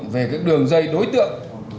về các đường dây đối tượng